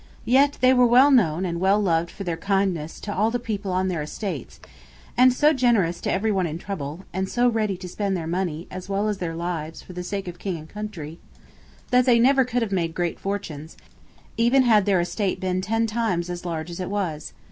Yet they were well known and well loved for their kindness to all the people on their estates; and so generous to every one in trouble, and so ready to spend their money as well as their lives for the sake of king and country, that they never could have made great fortunes, even had their estate been ten times as large as it was.